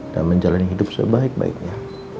dan menjalani hidup sebaik baiknya